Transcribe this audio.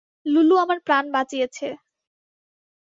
লুলু আমার প্রাণ বাঁচিয়েছে।